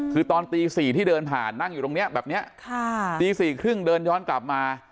คือตอนตี๔ที่เดินผ่านนั่งอยู่ตรงนี้แบบนี้ตี๔๓๐เดินย้อนกลับมา